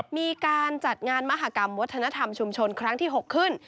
มีการจัดงานมหากรรมวัฒนธรรมชุมชนครั้งที่๖ขึ้น